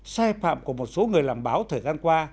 sai phạm của một số người làm báo thời gian qua